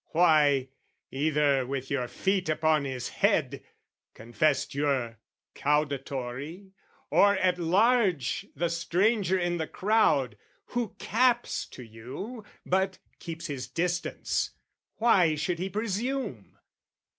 Why, either with your feet upon his head, Confessed your caudatory, or at large The stranger in the crowd who caps to you But keeps his distance, why should he presume?